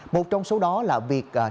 một trong số đó là việc